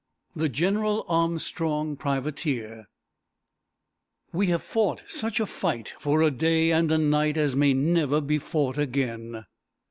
THE "GENERAL ARMSTRONG" PRIVATEER We have fought such a fight for a day and a night As may never be fought again!